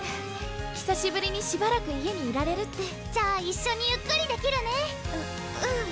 ひさしぶりにしばらく家にいられるってじゃあ一緒にゆっくりできるねううん